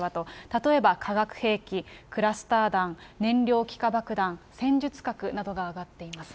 例えば、化学兵器、クラスター弾、燃料気化爆弾、戦術核などが挙がっています。